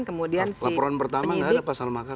laporan pertama tidak ada pasal makar